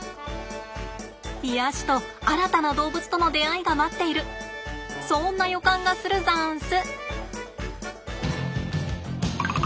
癒やしと新たな動物との出会いが待っているそんな予感がするざんす。